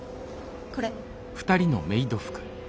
これ。